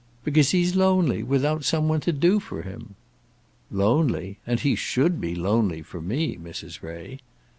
"Because he's lonely without some one to do for him." "Lonely! and he should be lonely for me, Mrs. Ray."